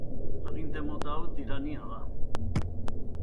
Aginte mota hau tirania da.